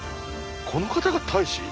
この方が大使？